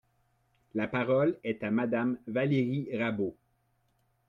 La parole est à Madame Valérie Rabault.